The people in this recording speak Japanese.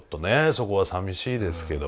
そこはさみしいですけど。